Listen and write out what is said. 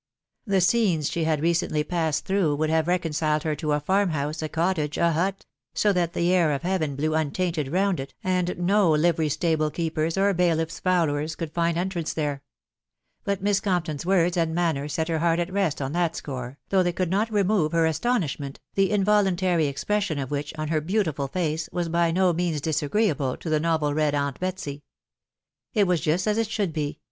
The scenes she had recently passed through would have reconciled her to a farm house, a cottage, a hut ; so that the air of heaven blew untainted round it, and no livery €tsbl& keepers, or bailifF'B followers, could find entrance there* But Miss Compton'B words and manner set her heart at vest on that score, though they could not remove her astonishment* the involuntary expression of which, on her beautiful face, was by no means disagreeable to the novel read aunt Betsy. It was just as it should be